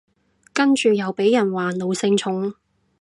跟住又被人話奴性重